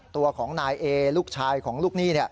ตัวของนายเอลูกชายของลูกหนี้